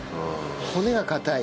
骨が硬い。